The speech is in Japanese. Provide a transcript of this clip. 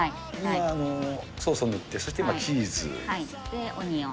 今、ソースを塗って、そしてで、オニオン。